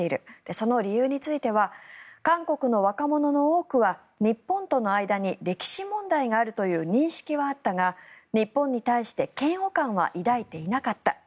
その理由については韓国の若者の多くは日本との間に歴史問題があるという認識はあったが日本に対して嫌悪感は抱いていなかった。